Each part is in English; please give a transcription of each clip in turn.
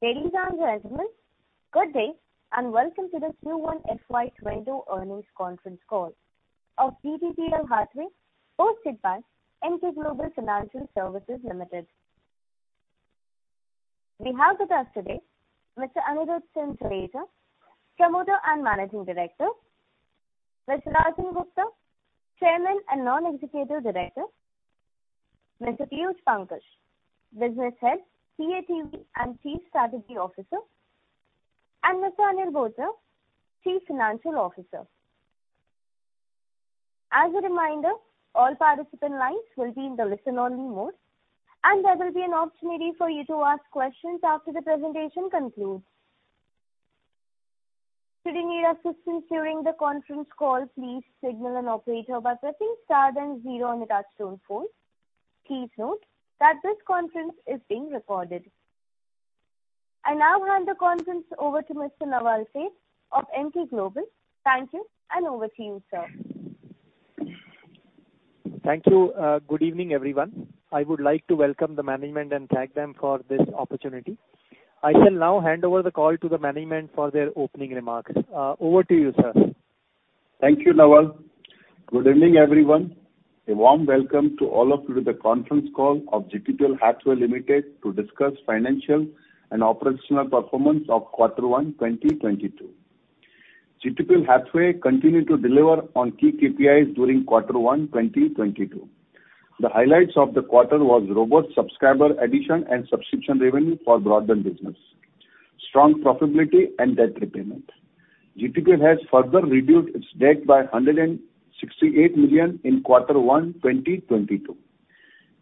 Ladies and gentlemen, good day, and welcome to the Q1 FY 2022 earnings conference call of GTPL Hathway, hosted by Emkay Global Financial Services Limited. We have with us today Mr. Anirudhsinh Jadeja, Chairman and Managing Director, Mr. Rajan Gupta, Chairman and Non-Executive Director, Mr. Piyush Pankaj, Business Head - CATV and Chief Strategy Officer, and Mr. Anil Bothra, Chief Financial Officer. As a reminder, all participant lines will be in the listen-only mode, and there will be an opportunity for you to ask questions after the presentation concludes. Should you need assistance during the conference call, please signal an operator by pressing star then zero on your touch-tone phone. Please note that this conference is being recorded. I now hand the conference over to Mr. Naval Seth of Emkay Global. Thank you, and over to you, sir. Thank you. Good evening, everyone. I would like to welcome the management and thank them for this opportunity. I shall now hand over the call to the management for their opening remarks. Over to you, sir. Thank you, Naval. Good evening, everyone. A warm welcome to all of you to the conference call of GTPL Hathway Limited to discuss financial and operational performance of quarter One 2022. GTPL Hathway continued to deliver on key KPIs during quarter one 2022. The highlights of the quarter was robust subscriber addition and subscription revenue for broadband business, strong profitability, and debt repayment. GTPL has further reduced its debt by 168 million in quarter one 2022.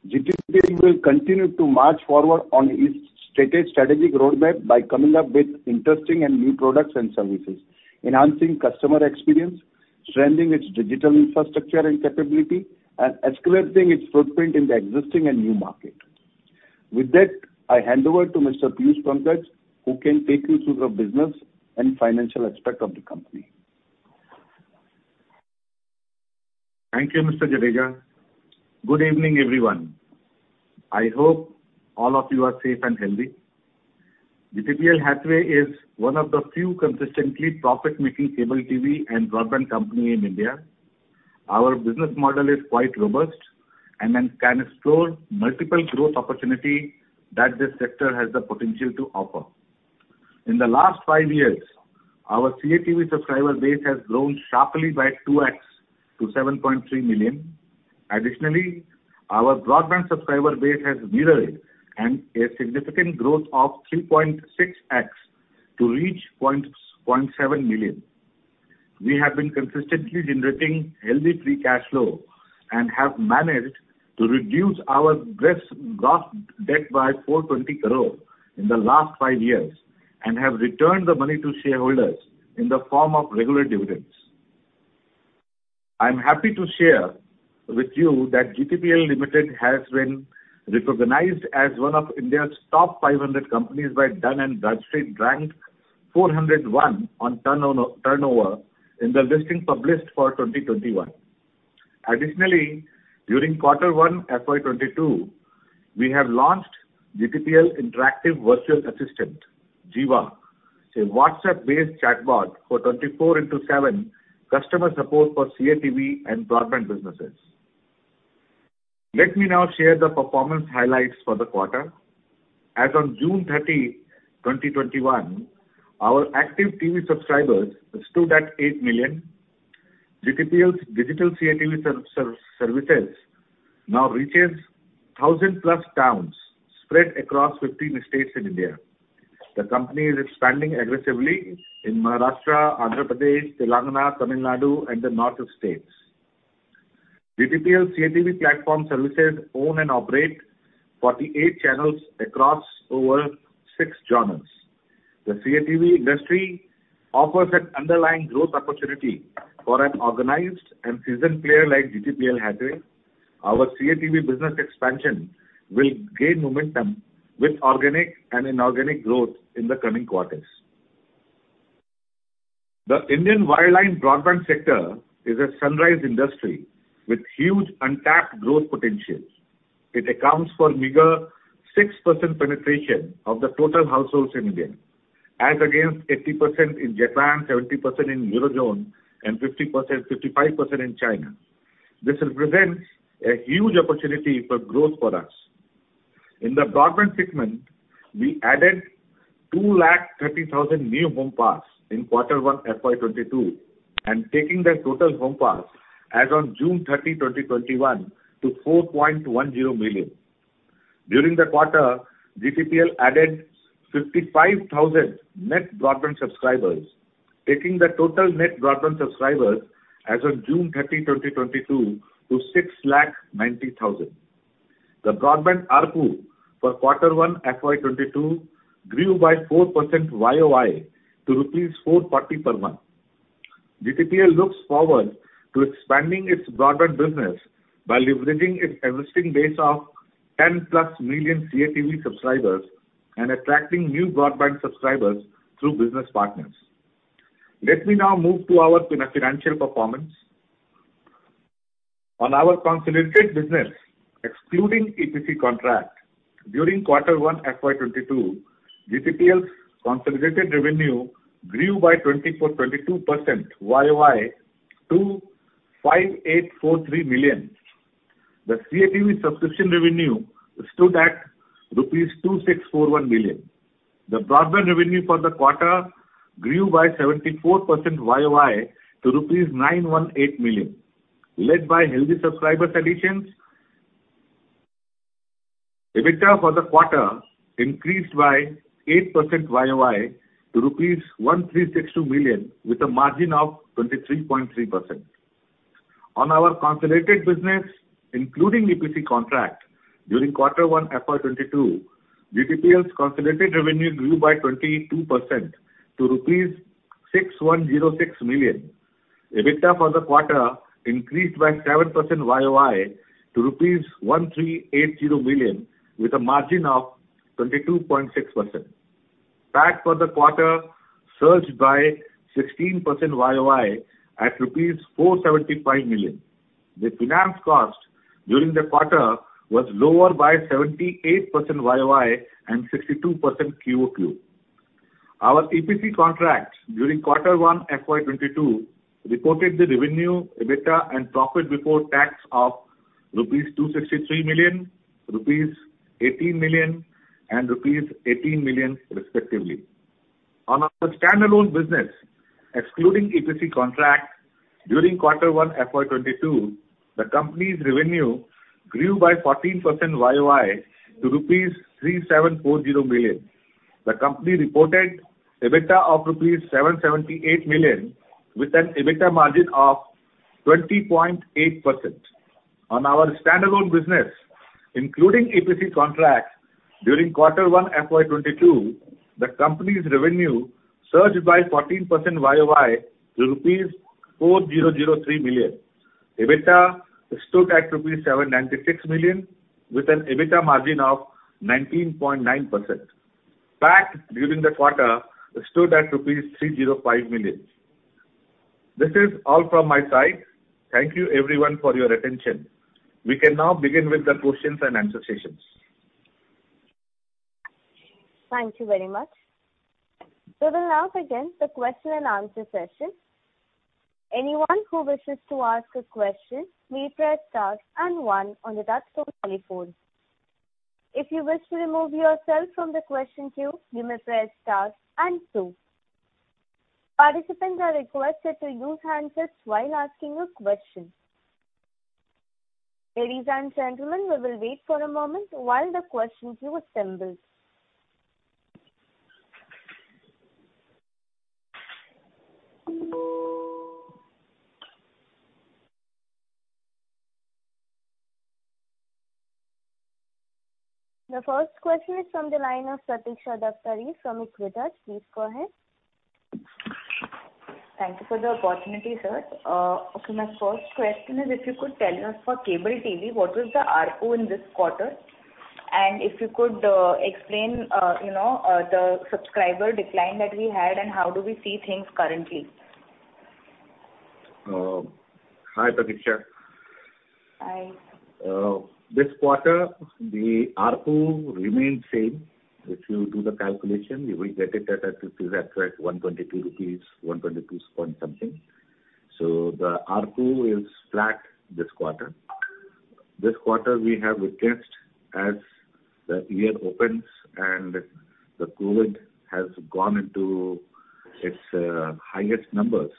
GTPL will continue to march forward on its stated strategic roadmap by coming up with interesting and new products and services, enhancing customer experience, strengthening its digital infrastructure and capability, and escalating its footprint in the existing and new market. With that, I hand over to Mr. Piyush Pankaj, who can take you through the business and financial aspect of the company. Thank you, Mr. Jadeja. Good evening, everyone. I hope all of you are safe and healthy. GTPL Hathway is one of the few consistently profit-making cable TV and broadband company in India. Our business model is quite robust and can explore multiple growth opportunity that this sector has the potential to offer. In the last five years, our CATV subscriber base has grown sharply by 2x to 7.3 million. Additionally, our broadband subscriber base has mirrored and a significant growth of 3.6x to reach 0.7 million. We have been consistently generating healthy free cash flow and have managed to reduce our gross debt by 420 crore in the last five years, and have returned the money to shareholders in the form of regular dividends. I'm happy to share with you that GTPL Hathway Limited has been recognized as one of India's top 500 companies by Dun & Bradstreet, ranked 401 on turnover in the listing published for 2021. Additionally, during Q1 FY 2022, we have launched GTPL interactive virtual assistant, GIVA, a WhatsApp-based chatbot for 24/7 customer support for CATV and broadband businesses. Let me now share the performance highlights for the quarter. As on June 30, 2021, our active TV subscribers stood at 8 million. GTPL's digital CATV services now reaches 1,000+ towns spread across 15 states in India. The company is expanding aggressively in Maharashtra, Andhra Pradesh, Telangana, Tamil Nadu, and the northern states. GTPL CATV platform services own and operate 48 channels across over six genres. The CATV industry offers an underlying growth opportunity for an organized and seasoned player like GTPL Hathway. Our CATV business expansion will gain momentum with organic and inorganic growth in the coming quarters. The Indian wireline broadband sector is a sunrise industry with huge untapped growth potential. It accounts for meager 6% penetration of the total households in India, as against 80% in Japan, 70% in Euro zone, and 50%, 55% in China. This represents a huge opportunity for growth for us. In the broadband segment, we added 230,000 new home pass in quarter one FY 2022, taking the total home pass as on June 30, 2021, to 4.10 million. During the quarter, GTPL added 55,000 net broadband subscribers, taking the total net broadband subscribers as on June 30, 2022, to 690,000. The broadband ARPU for quarter one FY 2022 grew by 4% YoY to rupees 440 per month. GTPL looks forward to expanding its broadband business by leveraging its existing base of 10+ million CATV subscribers and attracting new broadband subscribers through business partners. Let me now move to our financial performance. On our consolidated business, excluding EPC contract, during quarter one FY 2022, GTPL's consolidated revenue grew by 22% YoY to 5,843 million. The CATV subscription revenue stood at rupees 2,641 million. The broadband revenue for the quarter grew by 74% YoY to 918 million rupees, led by healthy subscriber additions. EBITDA for the quarter increased by 8% YoY to rupees 1,362 million with a margin of 23.3%. On our consolidated business, including EPC contract, during quarter one FY 2022, GTPL's consolidated revenue grew by 22% to rupees 6,106 million. EBITDA for the quarter increased by 7% YoY to rupees 1,380 million with a margin of 22.6%. PAT for the quarter surged by 16% YoY at rupees 475 million. The finance cost during the quarter was lower by 78% YoY and 62% QoQ. Our EPC contract during quarter one FY 2022 reported the revenue, EBITDA, and profit before tax of 263 million rupees, 18 million, and rupees 18 million respectively. On our standalone business, excluding EPC contract, during quarter one FY 2022, the company's revenue grew by 14% YoY to rupees 3,740 million. The company reported EBITDA of rupees 778 million with an EBITDA margin of 20.8%. On our standalone business, including EPC contract, during quarter one FY 2022, the company's revenue surged by 14% YoY to INR 4,003 million. EBITDA stood at INR 796 million with an EBITDA margin of 19.9%. PAT during the quarter stood at rupees 305 million. This is all from my side. Thank you everyone for your attention. We can now begin with the questions and answer sessions. Thank you very much. We will now begin the question and answer session. Anyone who wishes to ask a question may press star and one on the touchtone telephone. If you wish to remove yourself from the question queue, you may press star and two. Participants are requested to use handsets while asking a question. Ladies and gentlemen, we will wait for a moment while the question queue assembles. The first question is from the line of Pratiksha Daktari from Aequitas. Please go ahead. Thank you for the opportunity, sir. Okay, my first question is, if you could tell us for cable TV, what was the ARPU in this quarter? If you could explain the subscriber decline that we had and how do we see things currently? Hi, Pratiksha. Hi. This quarter, the ARPU remained same. If you do the calculation, you will get it at approximately 122 point something. The ARPU is flat this quarter. This quarter we have witnessed as the year opens and the COVID has gone into its highest numbers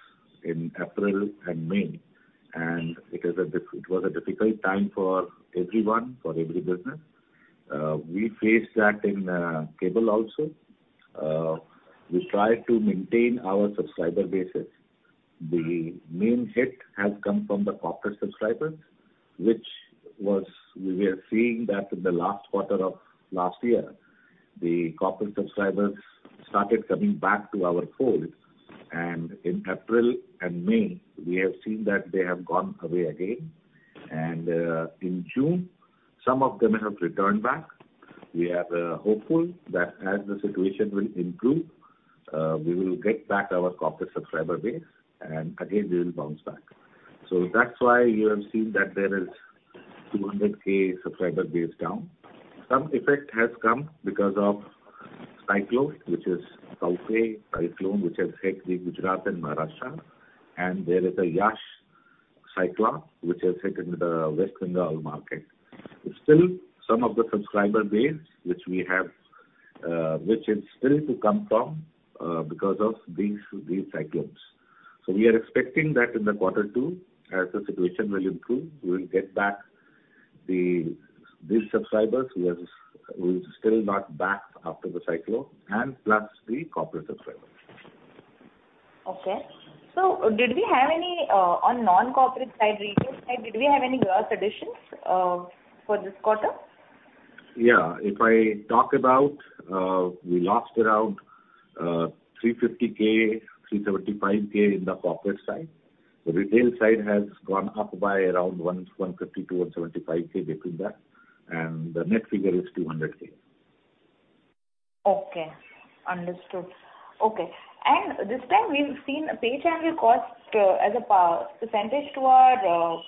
in April and May. It was a difficult time for everyone, for every business. We faced that in cable also. We tried to maintain our subscriber bases. The main hit has come from the corporate subscribers, which we were seeing that in the last quarter of last year. The corporate subscribers started coming back to our fold, and in April and May, we have seen that they have gone away again. In June, some of them have returned back. We are hopeful that as the situation will improve, we will get back our corporate subscriber base, and again we will bounce back. That's why you have seen that there is 200,000 subscriber base down. Some effect has come because of cyclone, which has hit the Gujarat and Maharashtra, and there is a Yaas cyclone which has hit the West Bengal market. Some of the subscriber base which is still to come from because of these cyclones. We are expecting that in the quarter two, as the situation will improve, we will get back these subscribers who are still not back after the cyclone and plus the corporate subscribers. Okay. On non-corporate side, retail side, did we have any gross additions for this quarter? Yeah. If I talk about, we lost around 350,000, 375,000 in the corporate side. The retail side has gone up by around 150,000-175,000 between that, and the net figure is 200,000. Okay. Understood. This time we've seen pay channel cost as a percentage to our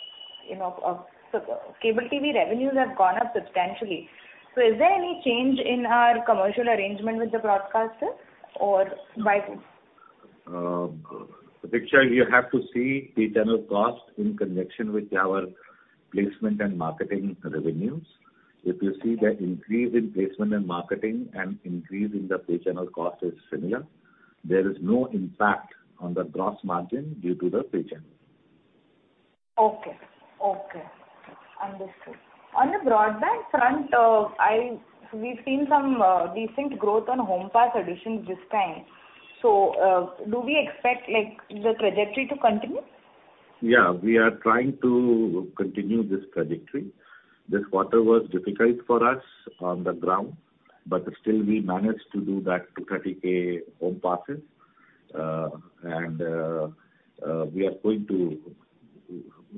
cable TV revenues have gone up substantially. Is there any change in our commercial arrangement with the broadcasters, or why? Pratiksha, you have to see pay channel cost in connection with our placement and marketing revenues. If you see the increase in placement and marketing and increase in the pay channel cost is similar, there is no impact on the gross margin due to the pay channel. Okay. Understood. On the broadband front, we've seen some decent growth on home pass additions this time. Do we expect the trajectory to continue? Yeah, we are trying to continue this trajectory. This quarter was difficult for us on the ground, but still we managed to do that 30,000 home passes.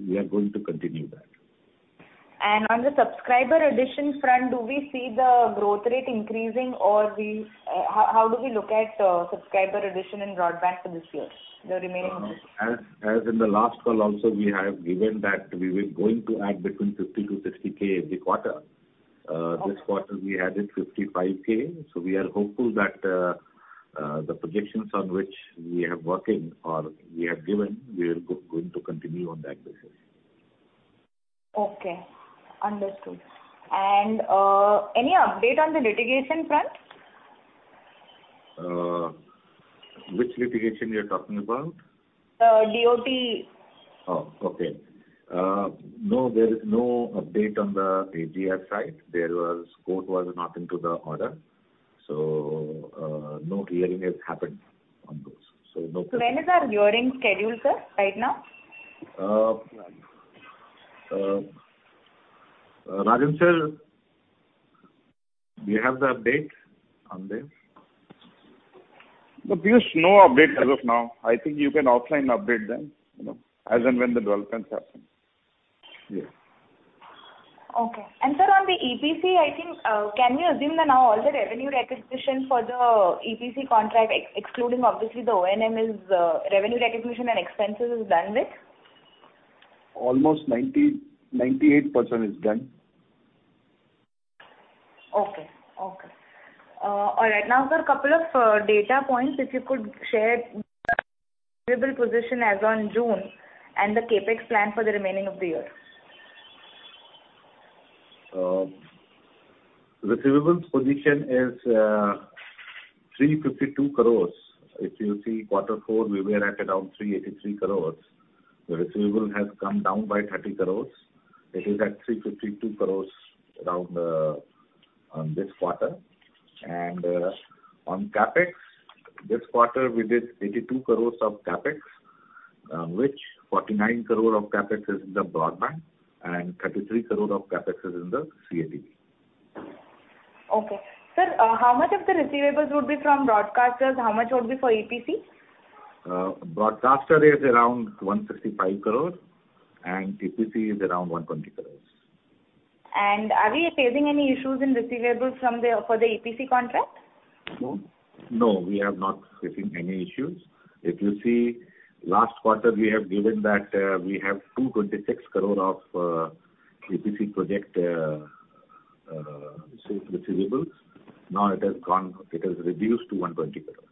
We are going to continue that. On the subscriber additions front, do we see the growth rate increasing, or how do we look at subscriber addition in broadband for this year, the remaining months? As in the last call also, we have given that we were going to add between 50,000-60,000 every quarter. This quarter we added 55,000, so we are hopeful that the projections on which we are working or we have given, we are going to continue on that basis. Okay. Understood. Any update on the litigation front? Which litigation you're talking about? DOT. Oh, okay. No, there is no update on the AGR side. There was, court was not into the order. No hearing has happened on those. When is our hearing scheduled, sir, right now? Rajan, sir, do you have the update on this? There is no update as of now. I think you can offline update them, as and when the developments happen. Yes. Okay. Sir, on the EPC, I think, can we assume that now all the revenue recognition for the EPC contract, excluding obviously the O&M's revenue recognition and expenses is done with? Almost 98% is done. Okay. All right. Now sir, a couple of data points. If you could share receivable position as on June and the CapEx plan for the remaining of the year. Receivables position is 352 crores. If you see quarter four, we were at around 383 crores. The receivable has come down by 30 crores. It is at 352 crores around on this quarter. On CapEx, this quarter we did 82 crores of CapEx, which 49 crore of CapEx is in the broadband and 33 crore of CapEx is in the CATV. Okay. Sir, how much of the receivables would be from broadcasters? How much would be for EPC? Broadcaster is around 165 crores and EPC is around 120 crores. Are we facing any issues in receivables for the EPC contract? No. We have not facing any issues. If you see last quarter, we have given that we have 226 crore of EPC project receivables. Now it has reduced to 120 crores.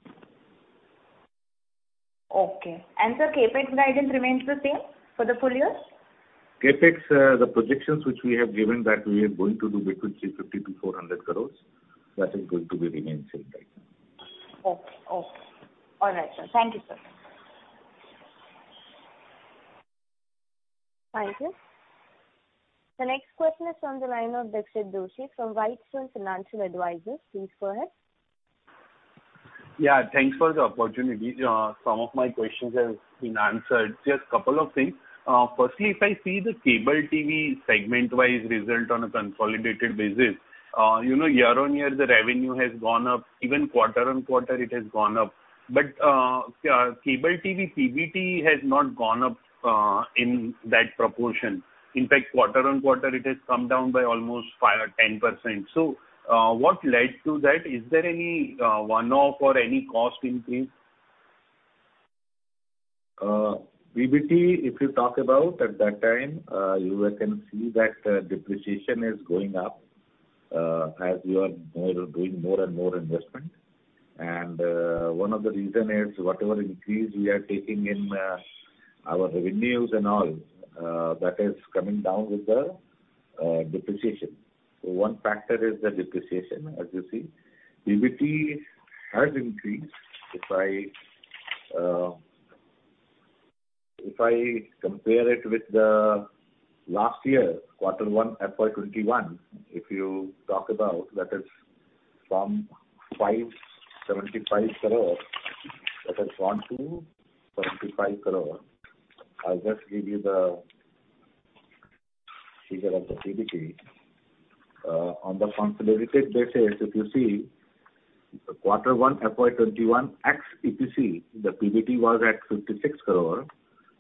Okay. Sir, CapEx guidance remains the same for the full year? CapEx, the projections which we have given that we are going to do between 350-400 crores, that is going to remain same right now. Okay. All right, sir. Thank you, sir. Thank you. The next question is on the line of Dixit Doshi from Whitestone Financial Advisors. Please go ahead. Yeah, thanks for the opportunity. Some of my questions have been answered. Just couple of things. Firstly, if I see the cable TV segment-wise result on a consolidated basis, year-over-year, the revenue has gone up. Even quarter-over-quarter it has gone up. Cable TV PBT has not gone up in that proportion. In fact, quarter-over-quarter, it has come down by almost 5% or 10%. What led to that? Is there any one-off or any cost increase? PBT, if you talk about at that time, you can see that depreciation is going up as we are doing more and more investment. One of the reasons is whatever increase we are taking in our revenues and all, that is coming down with the depreciation. One factor is the depreciation, as you see. PBT has increased. If I compare it with the last year, quarter one FY 2021, if you talk about, that is from 575 crores, that has gone to 45 crores. I will just give you the figure of the PBT. On the consolidated basis, if you see quarter one FY 2021 ex-EPC, the PBT was at 56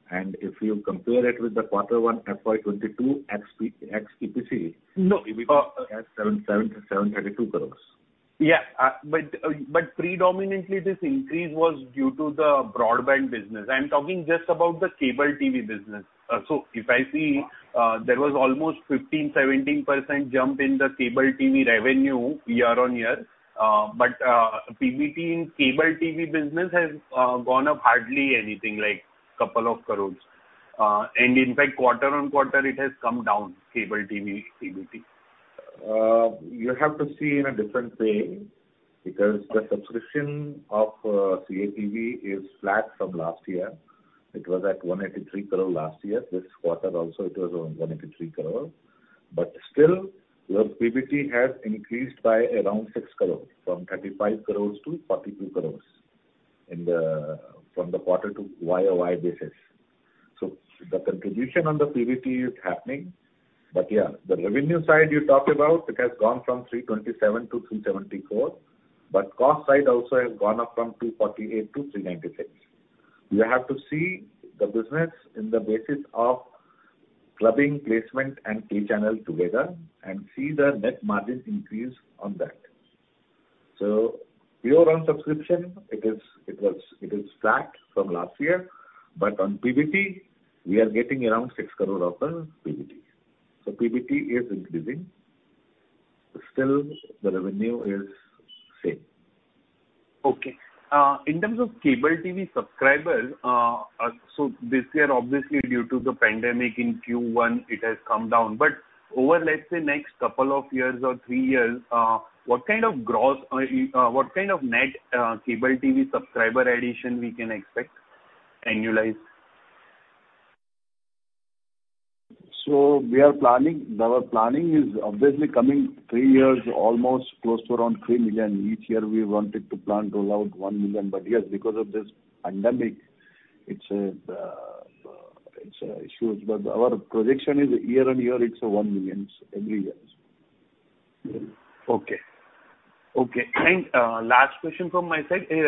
crores. If you compare it with the quarter one FY 2022 ex-EPC. No. At INR 732 crores. Yeah. Predominantly this increase was due to the broadband business. I'm talking just about the cable TV business. If I see, there was almost 15%-17% jump in the cable TV revenue year-over-year. PBT in cable TV business has gone up hardly anything, like couple of crore. In fact, quarter-on-quarter it has come down, cable TV PBT. You have to see in a different way, because the subscription of CATV is flat from last year. It was at 183 crore last year. This quarter also it was around 183 crore. Still, your PBT has increased by around 6 crore, from 35 crore to 42 crore from the quarter to YoY basis. The contribution on the PBT is happening. Yeah, the revenue side you talked about, it has gone from 327-374, but cost side also has gone up from 248 to 396. You have to see the business in the basis of clubbing placement and pay channel together and see the net margin increase on that. Pure on subscription, it is flat from last year, but on PBT, we are getting around 6 crore of the PBT. PBT is increasing. Still, the revenue is same. Okay. In terms of cable TV subscribers, this year obviously due to the pandemic in Q1 it has come down. Over, let's say, next couple years or three years, what kind of net cable TV subscriber addition we can expect annualized? Our planning is obviously coming three years, almost close to around 3 million. Each year we wanted to plan to roll out 1 million. Yes, because of this pandemic, it's issues. Our projection is year-on-year, it's 1 million every year. Okay. Last question from my side is,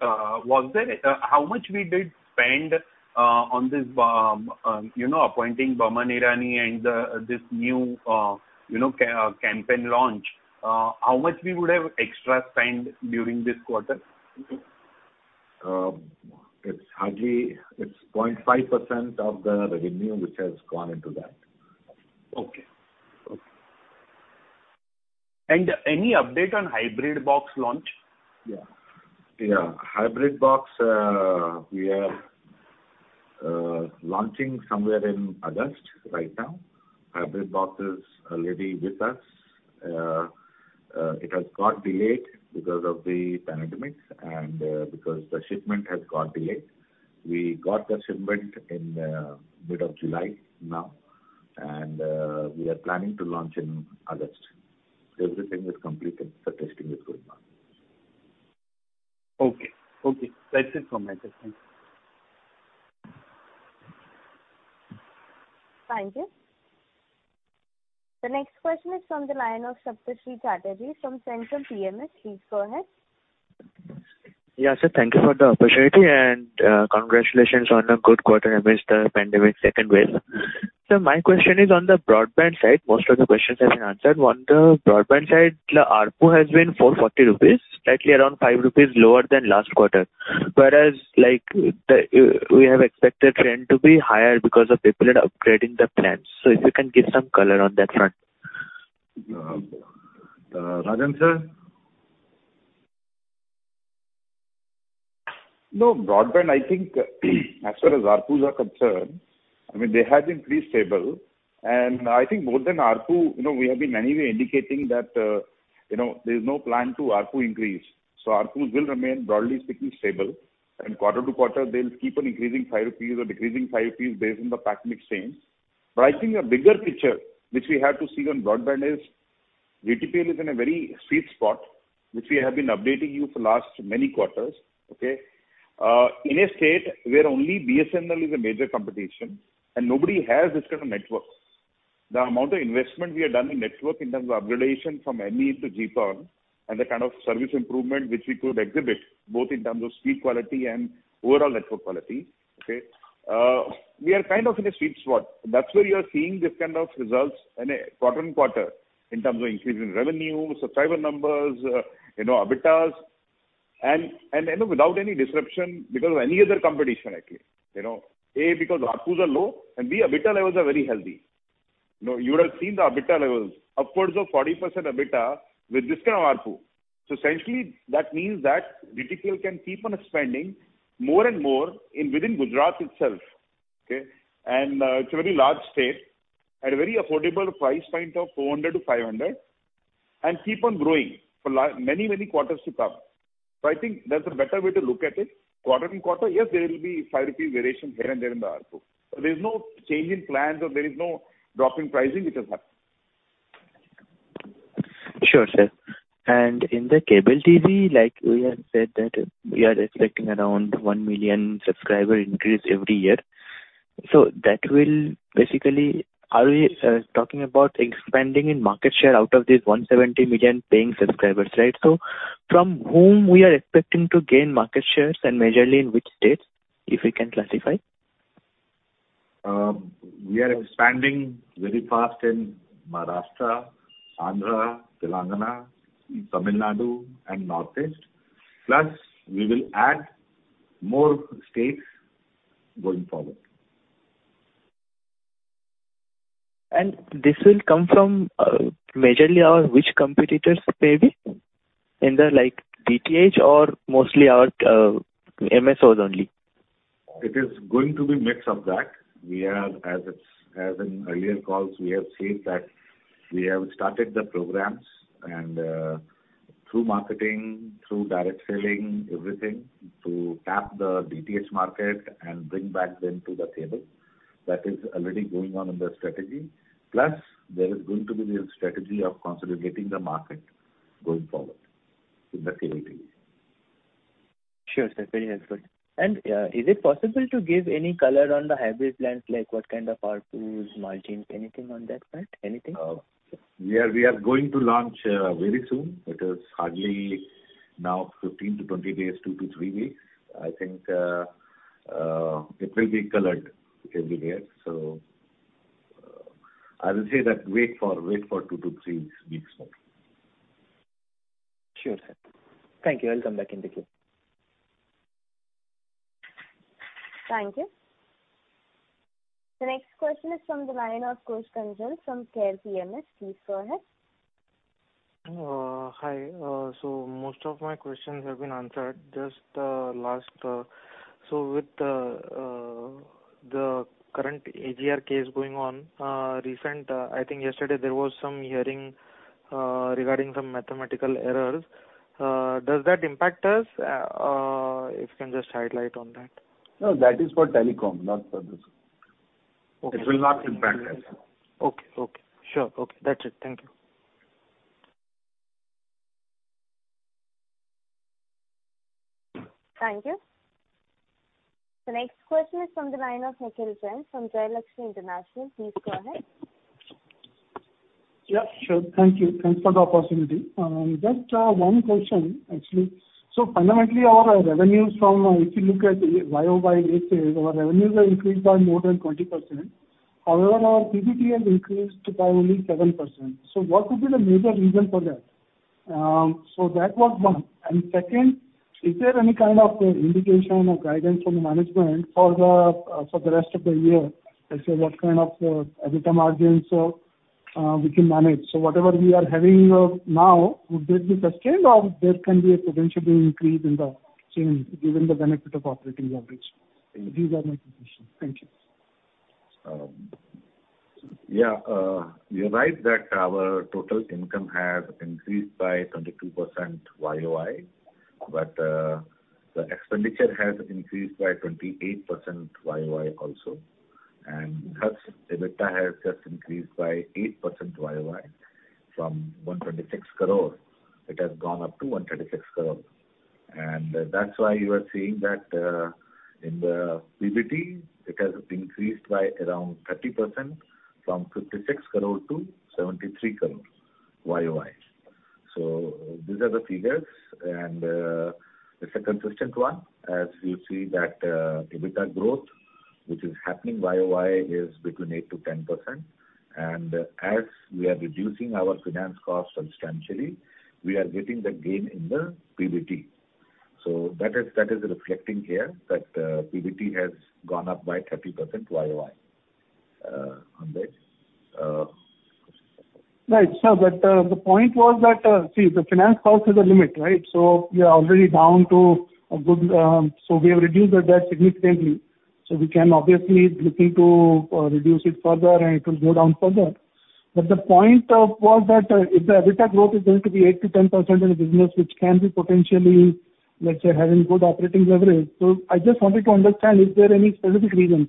how much we did spend on this, appointing Boman Irani and this new campaign launch. How much we would have extra spend during this quarter? It's 0.5% of the revenue which has gone into that. Okay. Any update on hybrid box launch? Yeah. Hybrid box, we are launching somewhere in August right now. Hybrid box is already with us. It has got delayed because of the pandemic and because the shipment has got delayed. We got the shipment in mid of July now, and we are planning to launch in August. Everything is complete and the testing is going on. Okay. That's it from my side. Thank you. Thank you. The next question is from the line of Saptarshee Chatterjee from Centrum PMS. Please go ahead. Yeah, sir. Thank you for the opportunity and congratulations on a good quarter amidst the pandemic second wave. Sir, my question is on the broadband side. Most of the questions have been answered. On the broadband side, the ARPU has been 440 rupees, slightly around 5 rupees lower than last quarter. Whereas, we have expected trend to be higher because of people are upgrading their plans. If you can give some color on that front. Rajan, sir. No, broadband, I think as far as ARPUs are concerned, they have been pretty stable. I think more than ARPU, we have been anyway indicating that there's no plan to ARPU increase. ARPUs will remain broadly speaking stable, and quarter to quarter, they'll keep on increasing 5 rupees or decreasing 5 rupees based on the pack mix change. I think a bigger picture which we have to see on broadband is GTPL is in a very sweet spot, which we have been updating you for last many quarters. Okay? In a state where only BSNL is a major competition and nobody has this kind of network. The amount of investment we have done in network in terms of upgradation from MEN to GPON and the kind of service improvement which we could exhibit, both in terms of speed quality and overall network quality. Okay? We are kind of in a sweet spot. That's why you are seeing this kind of results quarter-on-quarter in terms of increase in revenue, subscriber numbers, EBITDAs. Without any disruption because of any other competition actually. A, because ARPUs are low, and B, EBITDA levels are very healthy. You would have seen the EBITDA levels, upwards of 40% EBITDA with this kind of ARPU. Essentially, that means that GTPL can keep on spending more and more within Gujarat itself. Okay? It's a very large state, at a very affordable price point of 400-500, and keep on growing for many, many quarters to come. I think that's a better way to look at it. Quarter-on-quarter, yes, there will be 5 rupees variation here and there in the ARPU. There is no change in plans or there is no drop in pricing which has happened. Sure, sir. In the cable TV, like we have said that we are expecting around 1 million subscriber increase every year. Are we talking about expanding in market share out of these 170 million paying subscribers, right? From whom we are expecting to gain market shares, and majorly in which states, if we can classify? We are expanding very fast in Maharashtra, Andhra, Telangana, Tamil Nadu, and Northeast. We will add more states going forward. This will come from majorly our which competitors, maybe, in the DTH or mostly our MSOs only? It is going to be mix of that. As in earlier calls, we have said that we have started the programs and through marketing, through direct selling, everything, to tap the DTH market and bring back them to the table. That is already going on in the strategy. Plus, there is going to be a strategy of consolidating the market going forward in the cable TV. Sure, sir. Very helpful. Is it possible to give any color on the hybrid plans, like what kind of ARPUs, margins, anything on that front? Anything? We are going to launch very soon. It is hardly now 15-20 days, two to three weeks. I think it will be colored in here. I will say that wait for two to three weeks more. Sure, sir. Thank you. I'll come back in the queue. Thank you. The next question is from the line of Kush Gangar from Care PMS. Please go ahead. Hi. Most of my questions have been answered. With the current AGR case going on, recent, I think yesterday, there was some hearing regarding some mathematical errors. Does that impact us? If you can just highlight on that. No, that is for telecom, not for this. Okay. It will not impact us. Okay. Sure. Okay. That's it. Thank you. Thank you. The next question is from the line of Nikhil Jain from Jaylaxmi International. Please go ahead. Yeah, sure. Thank you. Thanks for the opportunity. Just one question, actually. Fundamentally, our revenues from, if you look at YoY nature, our revenues have increased by more than 20%. However, our PBT has increased by only 7%. What could be the major reason for that? That was one. Second, is there any kind of indication or guidance from the management for the rest of the year? Let's say, what kind of EBITDA margins we can manage. Whatever we are having now, would that be sustained or there can be a potentially increase in the change given the benefit of operating leverage? These are my two questions. Thank you. You're right that our total income has increased by 22% YoY, the expenditure has increased by 28% YoY also. Thus, EBITDA has just increased by 8% YoY from 126 crore. It has gone up to 136 crore. That's why you are seeing that in the PBT, it has increased by around 30%, from 56 crore to 73 crore YoY. These are the figures, and it's a consistent one, as you see that EBITDA growth, which is happening YoY, is between 8%-10%. As we are reducing our finance cost substantially, we are getting the gain in the PBT. That is reflecting here that PBT has gone up by 30% YoY on that. Right. No, the point was that, see, the finance cost is a limit, right? We have reduced the debt significantly. We can obviously looking to reduce it further, and it will go down further. The point was that if the EBITDA growth is going to be 8%-10% in a business which can be potentially, let's say, having good operating leverage. I just wanted to understand, is there any specific reason?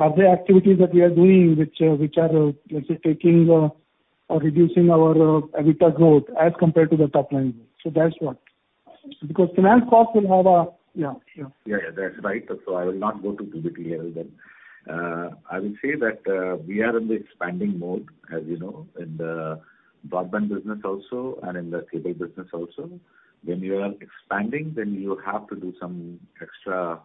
Are there activities that we are doing which are, let's say, taking or reducing our EBITDA growth as compared to the top line? That's what. Because finance cost will have a yeah. Yeah. That's right. I will not go to PBT here. I will say that we are in the expanding mode, as you know, in the broadband business also and in the cable business also. When you are expanding, then you have to do some extra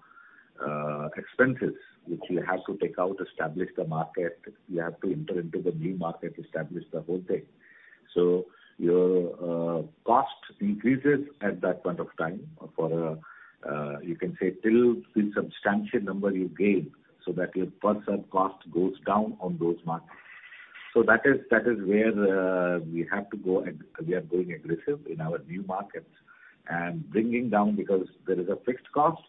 expenses, which you have to take out, establish the market. You have to enter into the new market, establish the whole thing. Your cost increases at that point of time for, you can say, till the substantial number you gain, so that your per sub cost goes down on those markets. That is where we have to go, and we are going aggressive in our new markets and bringing down because there is a fixed cost.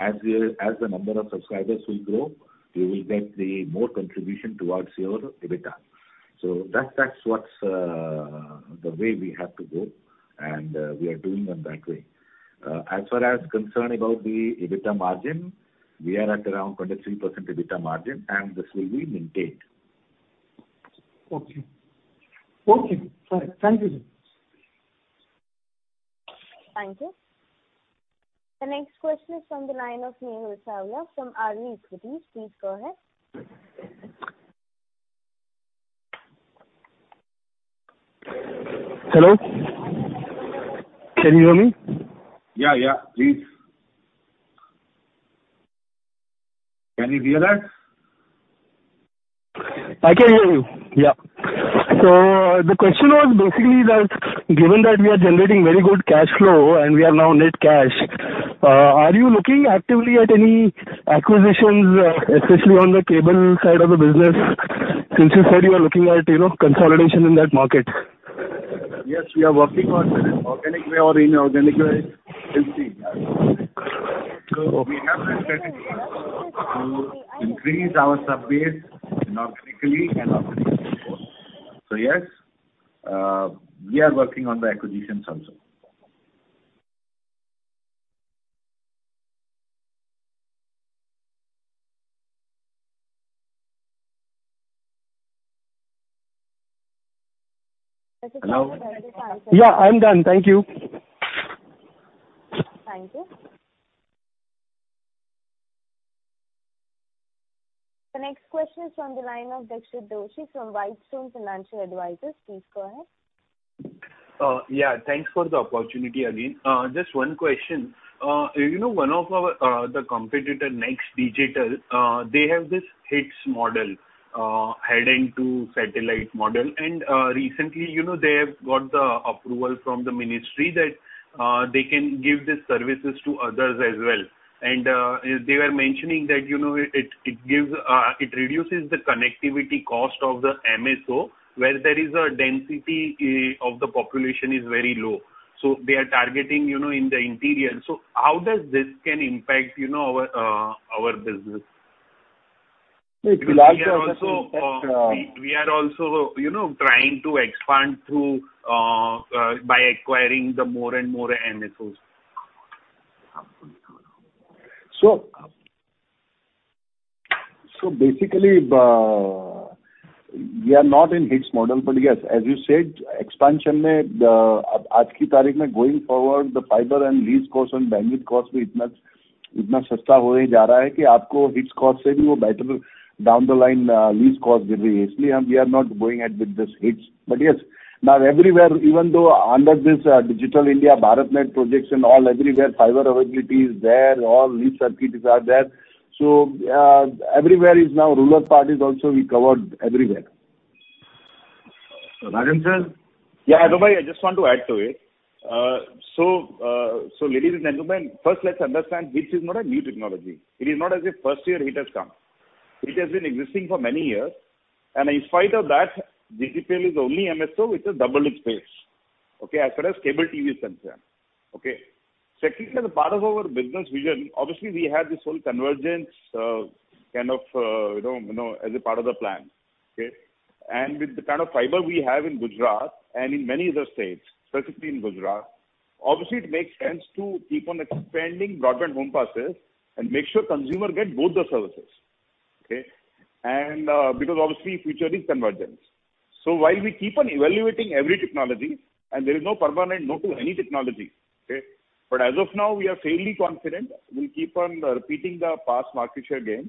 As the number of subscribers will grow, you will get the more contribution towards your EBITDA. That's what's the way we have to go, and we are doing them that way. As far as concern about the EBITDA margin, we are at around 23% EBITDA margin, and this will be maintained. Okay. All right. Thank you, sir. Thank you. The next question is from the line of Neeraj Sawhney from RBL Equity. Please go ahead. Hello. Can you hear me? Yeah. Please. Can you hear us? I can hear you. Yeah. The question was basically that given that we are generating very good cash flow and we are now net cash, are you looking actively at any acquisitions, especially on the cable side of the business, since you said you are looking at consolidation in that market? Yes, we are working on it, in organic way or inorganic way. We will see. We have the strategy to increase our sub-base inorganically and organically. Yes, we are working on the acquisitions also. Hello. Yeah, I'm done. Thank you. Thank you. The next question is from the line of Dixit Doshi from Whitestone Financial Advisors. Please go ahead. Yeah. Thanks for the opportunity again. Just one question. One of the competitor, NXTDIGITAL, they have this HITS model, [Headend-In-The-Sky] model. Recently, they have got the approval from the ministry that they can give the services to others as well. They were mentioning that it reduces the connectivity cost of the MSO, where there is a density of the population is very low. They are targeting in the interior. How does this can impact our business? We are also trying to expand by acquiring more and more MSOs. Basically, we are not in HITS model, yes, as you said, expansion, going forward, the fiber and lease cost and bandwidth cost are getting cheaper, the lease cost is better than the HITS cost down the line. That's why we are not going with this HITS. Yes, now everywhere, even though under this Digital India BharatNet project and all everywhere, fiber availability is there, all lease circuits are there. Everywhere is now rural part is also we covered everywhere. Rajan sir. Yeah, Adobhai, I just want to add to it. Ladies and gentlemen, first let's understand HITS is not a new technology. It is not as if first year HITS has come. It has been existing for many years, and in spite of that, GTPL is the only MSO with a double HITS base, okay, as far as cable TV is concerned. Secondly, as a part of our business vision, obviously, we have this whole convergence as a part of the plan. With the kind of fiber we have in Gujarat and in many other states, specifically in Gujarat, obviously it makes sense to keep on expanding broadband home passes and make sure consumer get both the services. Obviously, future is convergence. While we keep on evaluating every technology, and there is no permanent no to any technology, but as of now, we are fairly confident we will keep on repeating the past market share gains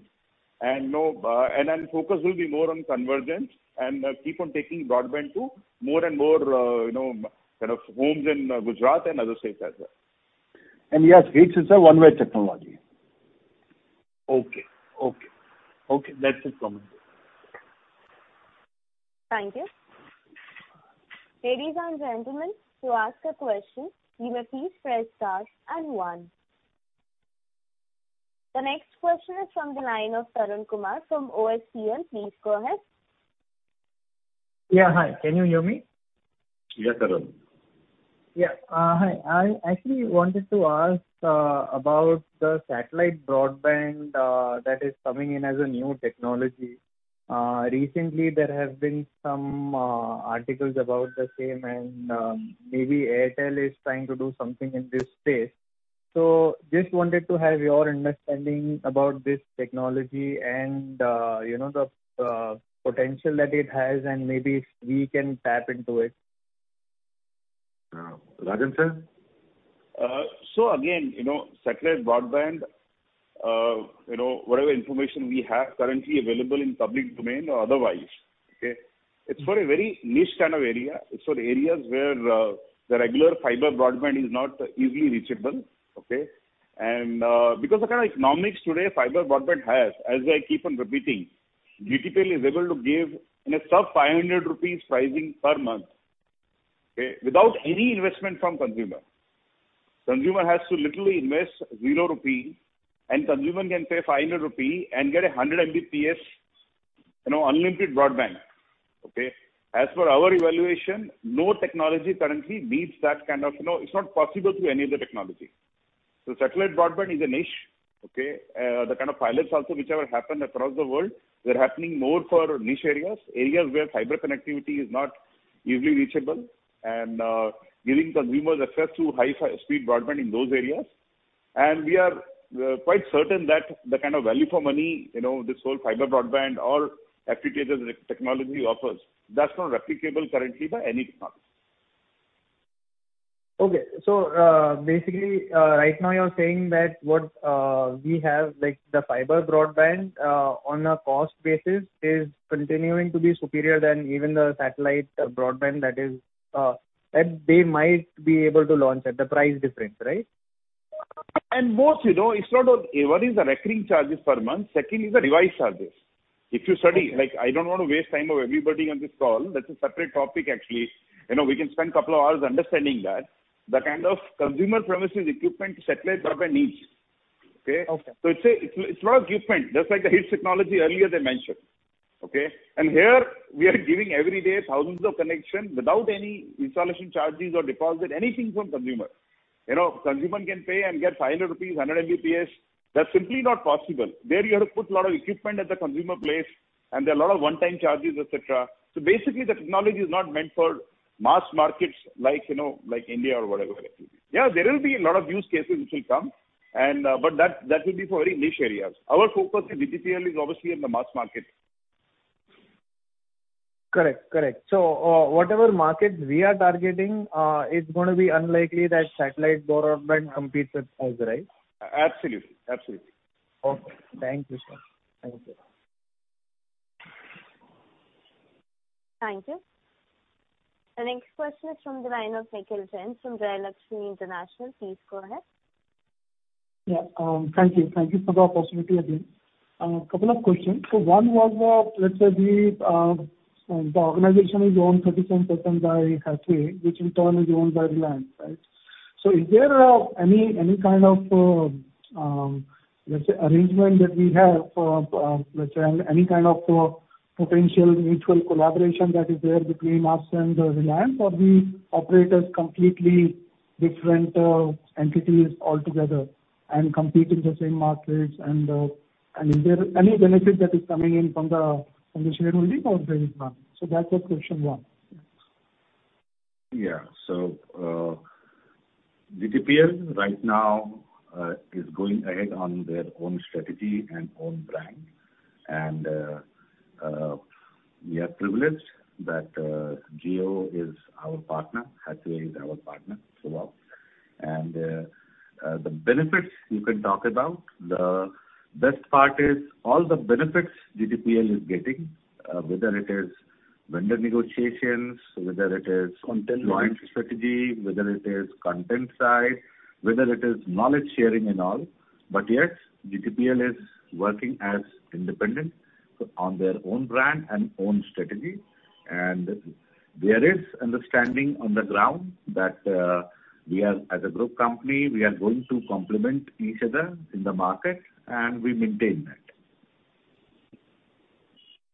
and then focus will be more on convergence and keep on taking broadband to more and more homes in Gujarat and other states as well. Yes, HITS is a one-way technology. Okay. That's it from me. Thank you. Ladies and gentlemen, to ask a question, you may please press star 1. The next question is from the line of Tarun Kumar from OSC. Please go ahead. Yeah, hi. Can you hear me? Yeah, Tarun. Hi. I actually wanted to ask about the satellite broadband that is coming in as a new technology. Recently, there have been some articles about the same, and maybe Airtel is trying to do something in this space. Just wanted to have your understanding about this technology and the potential that it has and maybe if we can tap into it. Rajan sir. Again, satellite broadband, whatever information we have currently available in public domain or otherwise, it's for a very niche kind of area. It's for the areas where the regular fiber broadband is not easily reachable. Because the kind of economics today fiber broadband has, as I keep on repeating, GTPL is able to give in a sub 500 rupees pricing per month, without any investment from consumer. Consumer has to literally invest 0 rupee, and consumer can pay 500 rupee and get 100 Mbps unlimited broadband. As per our evaluation, no technology currently beats that. It's not possible through any other technology. Satellite broadband is a niche. The kind of pilots also whichever happened across the world, they're happening more for niche areas where fiber connectivity is not easily reachable and giving consumers access to high-speed broadband in those areas. We are quite certain that the kind of value for money, this whole fiber broadband or FTTx technology offers, that is not replicable currently by any technology. Okay. Basically, right now you're saying that what we have, the fiber broadband, on a cost basis is continuing to be superior than even the satellite broadband that they might be able to launch at the price difference, right? Both. It's not. One is the recurring charges per month, second is the device charges. If you study, I don't want to waste time of everybody on this call. That's a separate topic, actually. We can spend a couple of hours understanding that. The kind of consumer premises equipment satellite broadband needs. Okay? Okay. It's not equipment, just like the HITS technology earlier they mentioned. Okay? Here, we are giving every day thousands of connections without any installation charges or deposit, anything from consumer. Consumer can pay and get 500 rupees, 100 Mbps. That's simply not possible. There you have to put a lot of equipment at the consumer place, and there are a lot of one-time charges, et cetera. Basically, the technology is not meant for mass markets like India or whatever. There will be a lot of use cases which will come, but that will be for very niche areas. Our focus in GTPL is obviously in the mass market. Correct. Whatever markets we are targeting, it's going to be unlikely that satellite broadband competes with us, right? Absolutely. Okay. Thank you, sir. Thank you. The next question is from the line of Nikhil Jain from Jaylaxmi International. Please go ahead. Yeah. Thank you. Thank you for the opportunity again. A couple of questions. One was, let's say the organization is owned 37% by Hathway, which in turn is owned by Reliance, right? Is there any kind of, let's say, arrangement that we have for, let's say, any kind of potential mutual collaboration that is there between us and Reliance, or we operate as completely different entities altogether and compete in the same markets, and is there any benefit that is coming in from the shareholding or there is none? That was question one. Yeah. GTPL right now is going ahead on their own strategy and own brand, and we are privileged that Jio is our partner, Hathway is our partner so well. The benefits you can talk about, the best part is all the benefits GTPL is getting, whether it is vendor negotiations. Content side. Joint strategy, whether it is content side, whether it is knowledge sharing and all. Yet GTPL is working as independent on their own brand and own strategy. There is understanding on the ground that we are, as a group company, we are going to complement each other in the market, and we maintain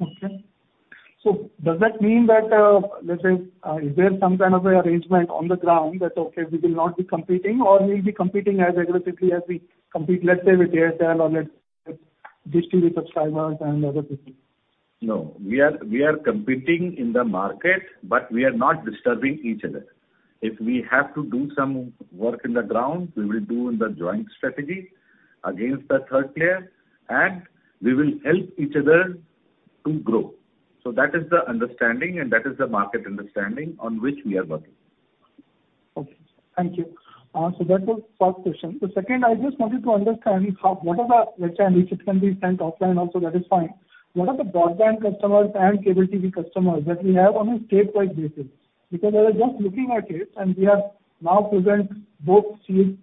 that. Does that mean that, let's say, is there some kind of arrangement on the ground that, okay, we will not be competing, or we will be competing as aggressively as we compete, let's say, with Airtel or let's say DTH TV subscribers and other people? No. We are competing in the market, but we are not disturbing each other. If we have to do some work on the ground, we will do in the joint strategy against the third player, and we will help each other to grow. That is the understanding, and that is the market understanding on which we are working. Okay, sir. Thank you. That was the first question. Second, I just wanted to understand what are the, let's say, and if it can be sent offline also, that is fine. What are the broadband customers and cable TV customers that we have on a state-by-state basis? Because I was just looking at it, and we are now present both with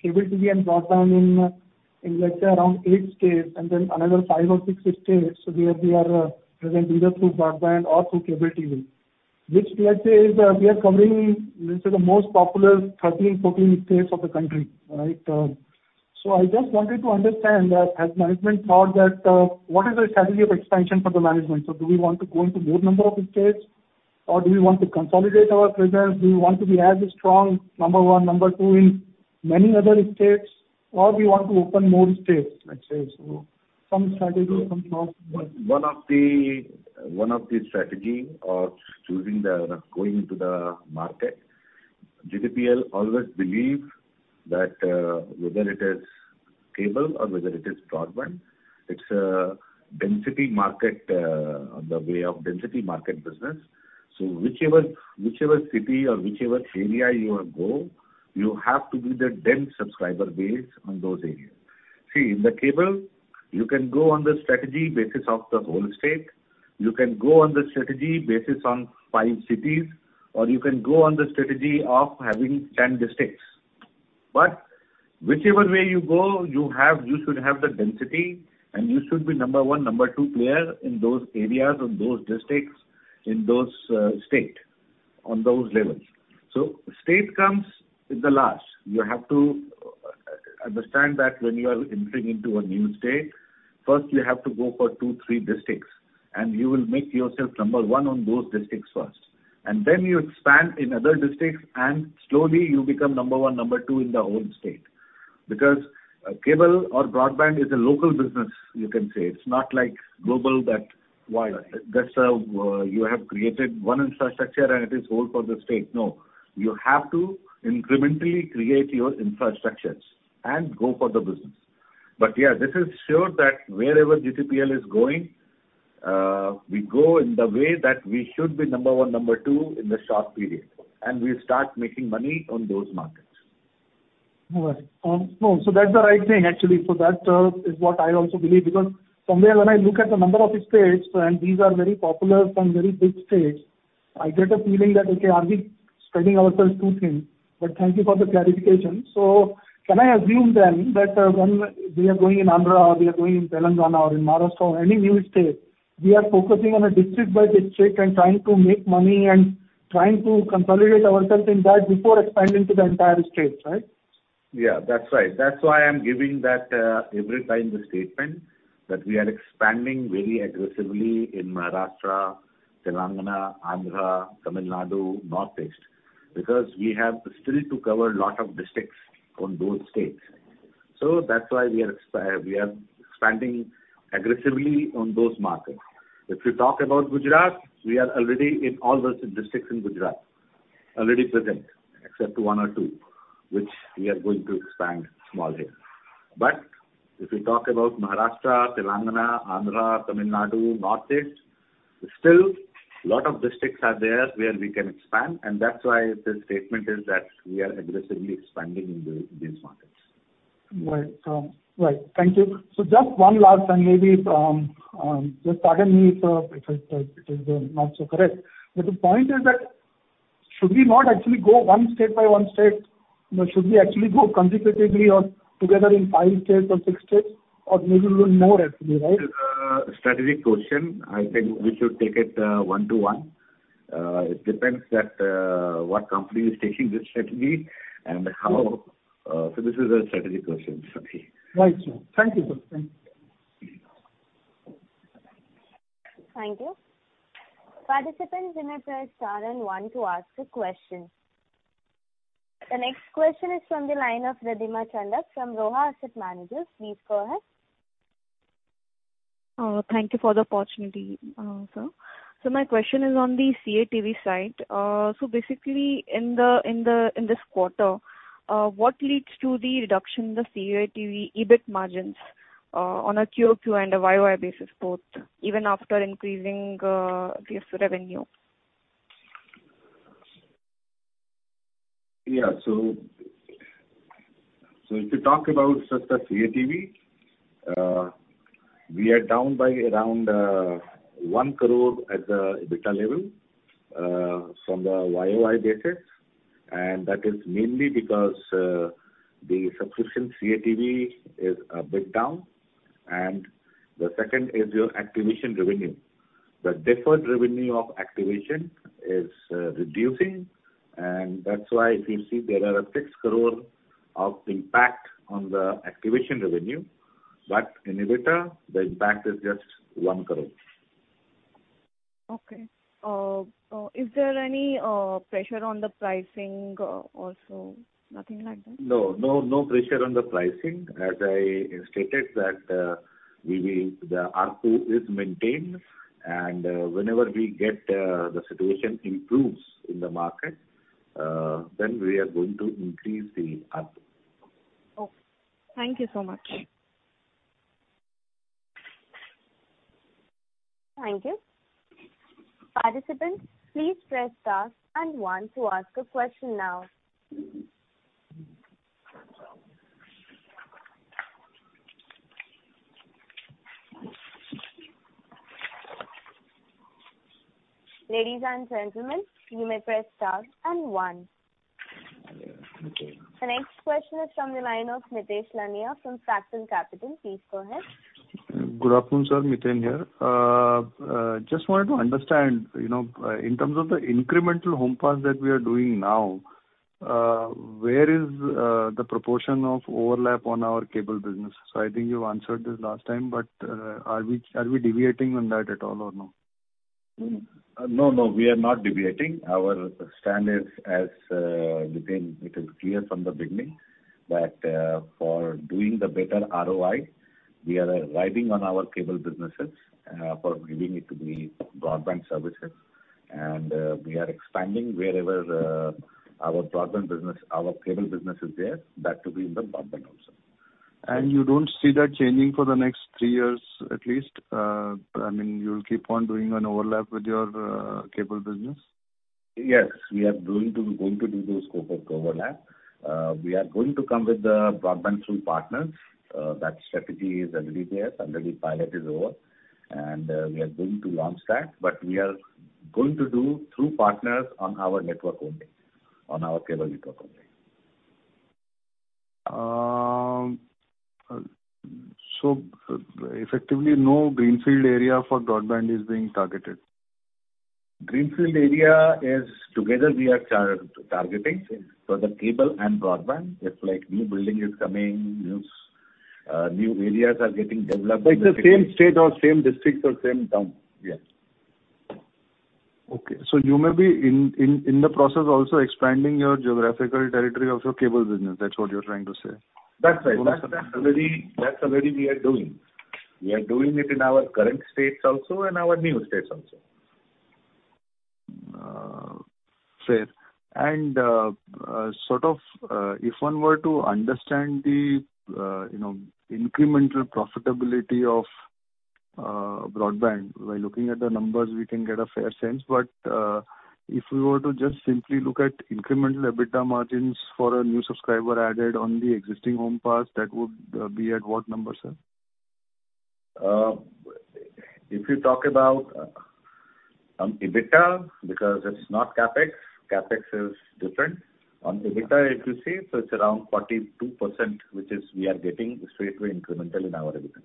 cable TV and broadband in, let's say, around eight states, and then another five or six states where we are present either through broadband or through cable TV, which let's say is we are covering, let's say, the most popular 13, 14 states of the country. Right? I just wanted to understand that has management thought that what is the strategy of expansion for the management? Do we want to go into more number of states, or do we want to consolidate our presence? Do we want to be as strong number one, number two in many other states, or we want to open more states, let's say? Some strategy, some thoughts. One of the strategy of going into the market, GTPL always believe that whether it is cable or whether it is broadband, it's the way of density market business. Whichever city or whichever area you will go, you have to be the dense subscriber base on those areas. See, in the cable, you can go on the strategy basis of the whole state, you can go on the strategy basis on five cities, or you can go on the strategy of having 10 districts. Whichever way you go, you should have the density, and you should be number one, number two player in those areas or those districts in those state on those levels. State comes in the last. You have to understand that when you are entering into a new state, first you have to go for two, three districts, and you will make yourself number one on those districts first. Then you expand in other districts, and slowly you become number one, number two in the whole state. Cable or broadband is a local business, you can say. It's not like global. Why? You have created one infrastructure and it is whole for the state. No. You have to incrementally create your infrastructures and go for the business. Yes, this is sure that wherever GTPL is going, we go in the way that we should be number one, number two, in the short period, and we start making money on those markets. All right. That's the right thing, actually. That is what I also believe, because from there, when I look at the number of states, and these are very popular and very big states, I get a feeling that, okay, are we spreading ourselves too thin? Thank you for the clarification. Can I assume then that when we are going in Andhra, or we are going in Telangana, or in Maharashtra, or any new state, we are focusing on a district by district and trying to make money and trying to consolidate ourselves in that before expanding to the entire state, right? Yes, that's right. I'm giving that every time the statement, that we are expanding very aggressively in Maharashtra, Telangana, Andhra, Tamil Nadu, Northeast, because we have still to cover lot of districts on those states. That's why we are expanding aggressively on those markets. If you talk about Gujarat, we are already in all those districts in Gujarat. Already present except one or two, which we are going to expand small here. If we talk about Maharashtra, Telangana, Andhra, Tamil Nadu, Northeast, still lot of districts are there where we can expand, and that's why the statement is that we are aggressively expanding in these markets. Right. Thank you. Just one last thing, maybe just pardon me if it is not so correct. The point is that should we not actually go one state by one state? Should we actually go consecutively or together in five states or six states, or maybe little more actually, right? This is a strategic question. I think we should take it one to one. It depends that what company is taking this strategy and how. This is a strategic question. [inaudible] Right, sir. Thank you. Thank you. Participants you may press star and one to ask a question. The next question is from the line of Ridhima Chandak from Roha Asset Managers. Please go ahead. Thank you for the opportunity, sir. My question is on the CATV side. Basically in this quarter, what leads to the reduction in the CATV EBIT margins on a QoQ and a YoY basis both, even after increasing revenue? Yes. If you talk about just the CATV, we are down by around 1 crore at the EBITDA level from the YoY basis. That is mainly because the subscription CATV is a bit down. The second is your activation revenue. The deferred revenue of activation is reducing, and that's why if you see there are 6 crore of impact on the activation revenue, but in EBITDA, the impact is just 1 crore. Okay. Is there any pressure on the pricing also? Nothing like that? No pressure on the pricing. As I stated that the ARPU is maintained, and whenever we get the situation improves in the market, then we are going to increase the ARPU. Okay. Thank you so much. Thank you. Participants, please press star and one to ask a question now. Ladies and gentlemen, you may press star and one. Okay. The next question is from the line of Nitesh Laneya from Fractal Capital. Please go ahead. Good afternoon, sir. Nitesh here. Just wanted to understand, in terms of the incremental home pass that we are doing now, where is the proportion of overlap on our cable business? I think you answered this last time, but are we deviating on that at all or no? No, we are not deviating. Our stand is as it is clear from the beginning, that for doing the better ROI, we are riding on our cable businesses for giving it the broadband services. We are expanding wherever our cable business is there, that will be in the broadband also. You don't see that changing for the next three years, at least? You'll keep on doing an overlap with your cable business? Yes, we are going to do those scope of overlap. We are going to come with the broadband through partners. That strategy is already there. Already pilot is over. We are going to launch that. We are going to do through partners on our network only, on our cable network only. Effectively, no greenfield area for broadband is being targeted. Greenfield area is together we are targeting for the cable and broadband. If new building is coming, new areas are getting developed. It's the same state or same district or same town. Yes. Okay. You may be in the process of also expanding your geographical territory of your cable business. That's what you're trying to say? That's right. That already we are doing. We are doing it in our current states also and our new states also. Fair. If one were to understand the incremental profitability of broadband by looking at the numbers, we can get a fair sense. If we were to just simply look at incremental EBITDA margins for a new subscriber added on the existing home pass, that would be at what number, sir? If you talk about on EBITDA, because it's not CapEx is different. On EBITDA, if you see, it's around 42%, which we are getting straightaway incremental in our EBITDA.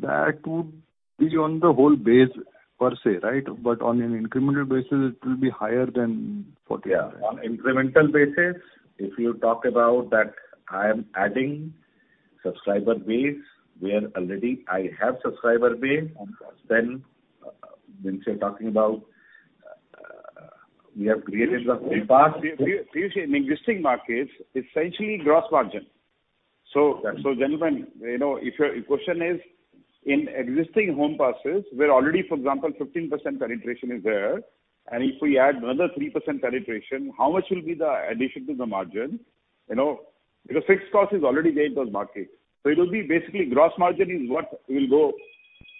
That would be on the whole base per se, right? On an incremental basis, it will be higher than 40%? Yeah. On incremental basis, if you talk about that I am adding subscriber base, where already I have subscriber base, then Vinay is talking about we have created the home pass. Piyush, in existing markets, essentially gross margin. Yes. Gentleman, if your question is in existing home passes, where already, for example, 15% penetration is there, and if we add another 3% penetration, how much will be the addition to the margin? Because fixed cost is already there in those markets. It will be basically gross margin is what will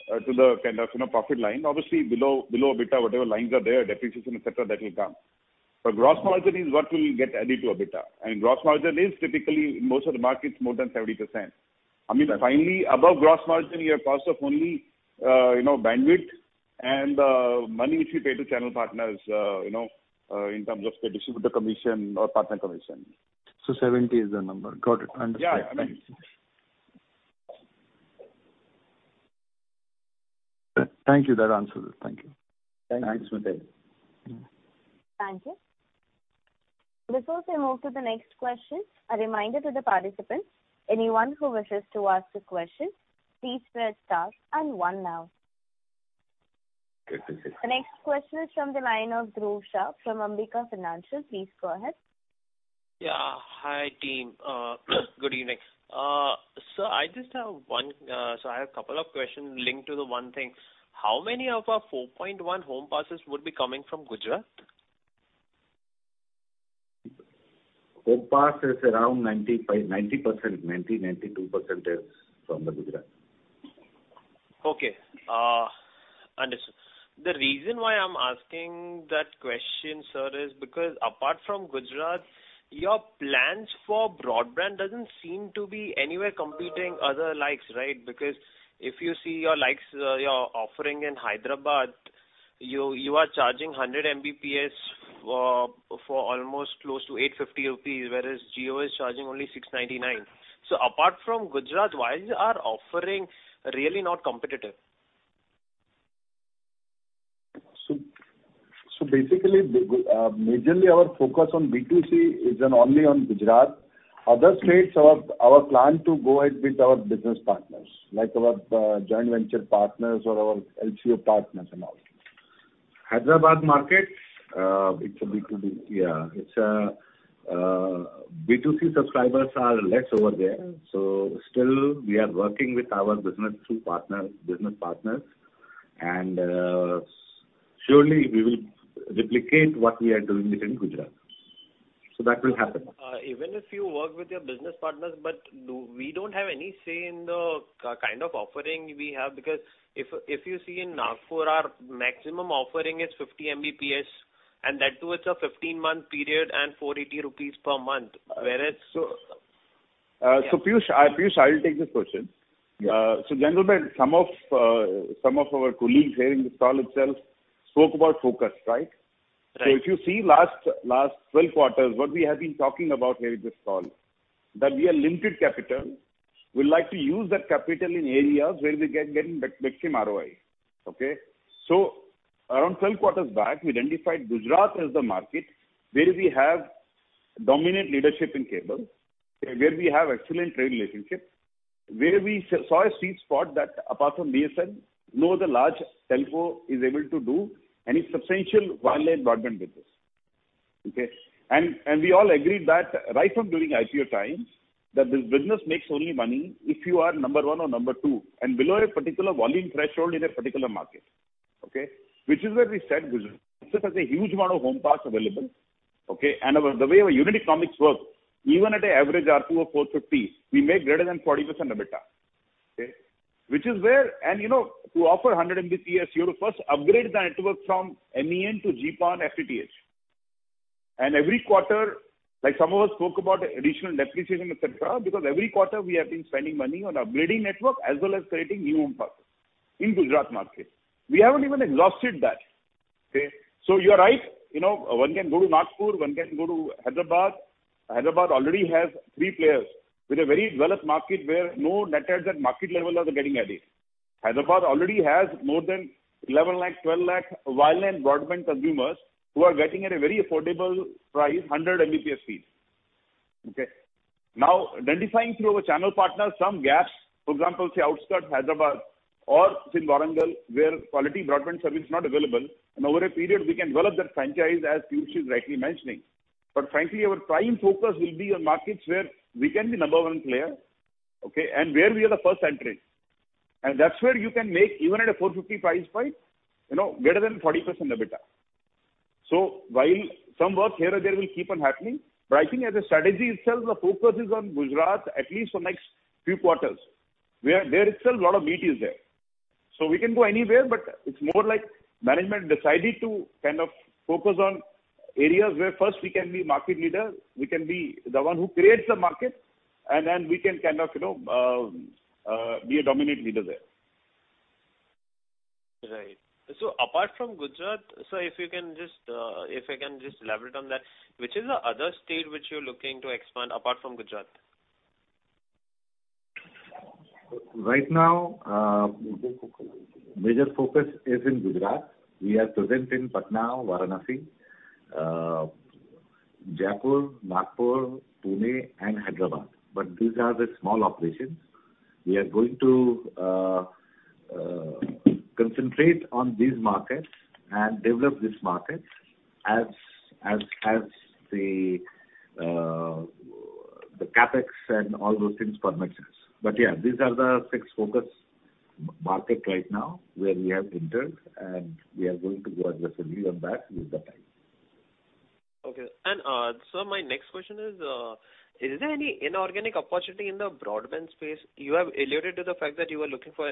go to the profit line. Obviously, below EBITDA, whatever lines are there, depreciation, et cetera, that will come. Gross margin is what will get added to EBITDA. Gross margin is typically, in most of the markets, more than 70%. I mean, finally, above gross margin, you have cost of only bandwidth and money which you pay to channel partners in terms of the distributor commission or partner commission. 70 is the number. Got it. Understood. Yeah. Thank you. That answers it. Thank you. Thanks. [inaudible] Thank you. Before we move to the next question, a reminder to the participants, anyone who wishes to ask a question, please press star and one now. Good. The next question is from the line of Dhruv Shah from Ambika Financial. Please go ahead. Yeah. Hi, team. Good evening. Sir, I have two questions linked to the one thing. How many of our 4.1 home passes would be coming from Gujarat? Home pass is around 90%, 92% is from Gujarat. Okay. Understood. The reason why I'm asking that question, sir, is because apart from Gujarat, your plans for broadband doesn't seem to be anywhere competing other likes, right? Because if you see your likes, your offering in Hyderabad, you are charging 100 Mbps for almost close to 850 rupees, whereas Jio is charging only 699. Apart from Gujarat, why is your offering really not competitive? Basically, majorly our focus on B2C is only on Gujarat. Other states, our plan to go ahead with our business partners, like our joint venture partners or our LCO partners and all. Hyderabad market, B2C subscribers are less over there. Still, we are working with our business partners, and surely we will replicate what we are doing within Gujarat. That will happen. Even if you work with your business partners, but we don't have any say in the kind of offering we have, because if you see in Nagpur, our maximum offering is 50 Mbps, and that too, it's a 15-month period and 480 rupees per month, whereas. Piyush, I'll take this question. Yeah. Gentleman, some of our colleagues here in this call itself spoke about focus, right? Right. If you see last 12 quarters, what we have been talking about here in this call, that we are limited capital. We like to use that capital in areas where we are getting maximum ROI. Okay? Around 12 quarters back, we identified Gujarat as the market where we have dominant leadership in cable, where we have excellent trade relationships, where we saw a sweet spot that apart from BSNL, no other large telco is able to do any substantial wireline broadband business. Okay? We all agreed that right from during IPO times, that this business makes only money if you are number one or number two, and below a particular volume threshold in a particular market. Okay? Which is where we said Gujarat has a huge amount of home passes available. Okay? The way our unit economics work, even at an average ARPU of 450, we make greater than 40% EBITDA. Okay? To offer 100 Mbps, you have to first upgrade the network from MEN to GPON FTTH. Every quarter, like some of us spoke about additional depreciation, et cetera, because every quarter we have been spending money on upgrading network as well as creating new home passes in Gujarat market. We haven't even exhausted that. Okay? You are right, one can go to Nagpur, one can go to Hyderabad. Hyderabad already has three players with a very developed market where no net adds at market level are getting added. Hyderabad already has more than 11 lakh, 12 lakh wireline broadband consumers who are getting at a very affordable price, 100 Mbps speed. Okay. Identifying through our channel partners some gaps. For example, say outskirts Hyderabad or say Warangal, where quality broadband service is not available and over a period we can develop that franchise as Piyush is rightly mentioning. Frankly, our prime focus will be on markets where we can be number one player, okay, and where we are the first entrant. That's where you can make even at a 450 price point, greater than 40% EBITDA. While some work here or there will keep on happening, but I think as a strategy itself, the focus is on Gujarat at least for next few quarters, where there is still a lot of meat is there. We can go anywhere, but it's more like management decided to kind of focus on areas where first we can be market leader, we can be the one who creates the market, and then we can be a dominant leader there. Right. Apart from Gujarat, sir, if you can just elaborate on that. Which is the other state which you are looking to expand apart from Gujarat? Right now, major focus is in Gujarat. We are present in Patna, Varanasi, Jaipur, Nagpur, Pune, and Hyderabad. These are the small operations. We are going to concentrate on these markets and develop these markets as the CapEx and all those things permit us. Yeah, these are the six focus markets right now, where we have entered, and we are going to go aggressively on that with the time. Okay. Sir, my next question is there any inorganic opportunity in the broadband space? You have alluded to the fact that you are looking for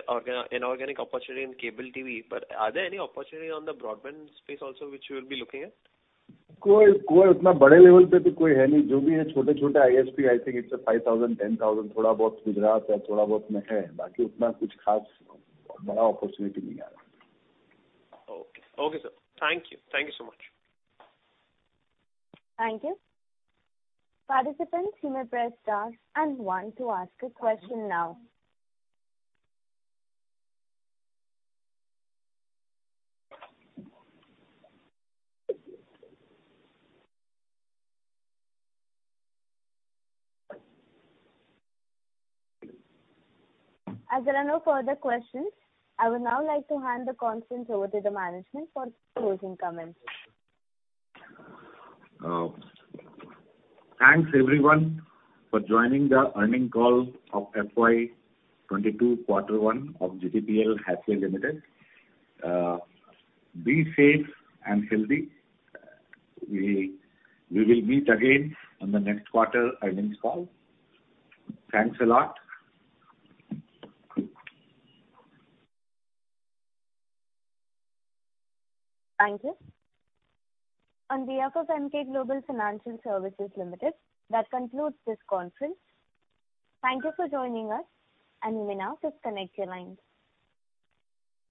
inorganic opportunity in cable TV. Are there any opportunity on the broadband space also which you'll be looking at? [inaudible] Okay. Sir. Thank you. Thank you so much. Thank you. Participants, you may press star and one to ask a question now. As there are no further questions, I would now like to hand the conference over to the management for closing comments. Thanks everyone for joining the earnings call of FY 2022, quarter one of GTPL Hathway Limited. Be safe and healthy. We will meet again on the next quarter earnings call. Thanks a lot. Thank you. On behalf of Emkay Global Financial Services Limited, that concludes this conference. Thank you for joining us, and you may now disconnect your lines.